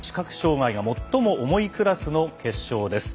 視覚障がいが最も重いクラスの決勝です。